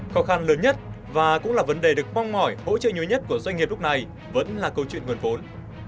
khó khăn lớn nhất và cũng là vấn đề được mong mỏi hỗ trợ nhiều nhất của doanh nghiệp lúc này vẫn là câu chuyện nguồn vốn